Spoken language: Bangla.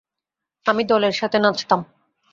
আমি দলের সাথে নাচতাম।